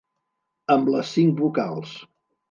Amb les cinc vocals.